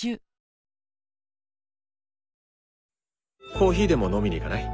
コーヒーでも飲みに行かない？